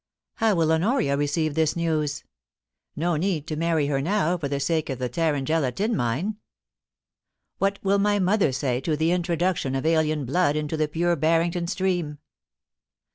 How will Honoria receive this news? No need to marry her now for the sake of the Tarrangella tin mine. What will my mother say to the introduction of alien blood into the pure Barrington stream?